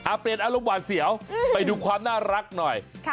อ่าเป็นอารมณ์หวานเสี่ยวอืมไปดูความน่ารักหน่อยค่ะ